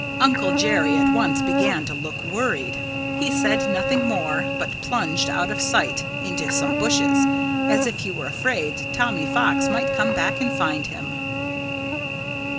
Uncle Jerry at once began to look worried. He said nothing more, but plunged out of sight into some bushes, as if he were afraid Tommy Fox might come back and find him.